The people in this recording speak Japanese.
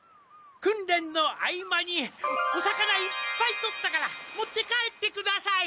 くんれんの合間にお魚いっぱい取ったから持って帰ってください！